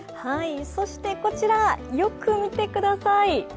そして、こちら、よく見てください。